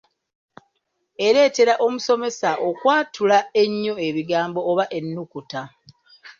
Ereetera omusomesa okwatula ennyo ebigambo oba ennukuta.